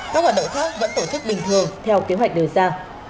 các hoạt động khác vẫn tổ chức bình thường theo kế hoạch đề ra